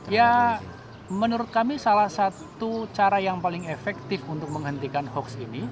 ya menurut kami salah satu cara yang paling efektif untuk menghentikan hoax ini